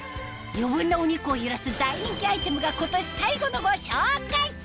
余分なお肉を揺らす大人気アイテムが今年最後のご紹介